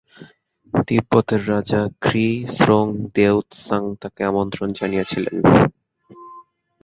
তিব্বতের রাজা খ্রি-স্রোং-দেউ-ৎসাং তাঁকে আমন্ত্রণ জানিয়েছিলেন।